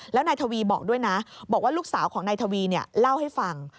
แล้วนายทวีบอกด้วยนะบอกว่าลูกสาวของนายทวีเล่าให้ฟัง